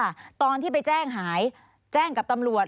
ไม่ได้ไปแจ้งหายแจ้งกับตำรวจ